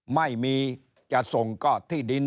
ไม่มีจะส่งก็ที่ดิน